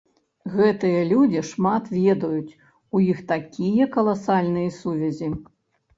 Гэтыя людзі шмат ведаюць, у іх такія каласальныя сувязі.